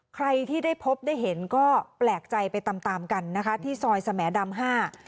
ใครที่ได้พบได้เห็นก็แปลกใจไปตามตามกันนะคะที่ซอยสมดำห้า